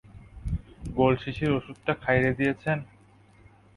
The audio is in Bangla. গোল শিশির ওষুধটা খাইরে দিয়েছেন?